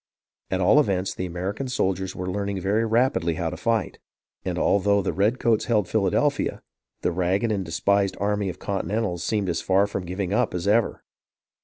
At all events, the American soldiers were learning very rapidly how to fight ; and although the redcoats held Philadelphia, the ragged and despised army of Continentals seemed as far from giving up as ever.